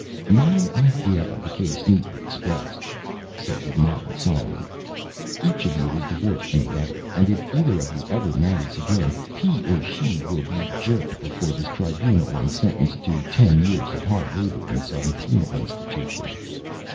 "My idea of the Case, neatly expressed," said the Modern Solomon. "Each of you is Divorced from the Other, and if Either of you ever Marries again, He or She will be jerked before this Tribunal and sentenced to Ten Years of Hard Labor in some Penal Institution."